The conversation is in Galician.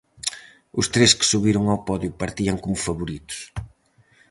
Os tres que subiron ao podio partían como favoritos.